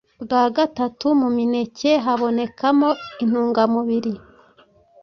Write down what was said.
Bwa gatatu, mu mineke habonekamo intungamubiri